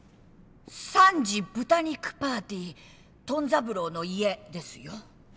「３時豚肉パーティートン三郎の家」ですよ。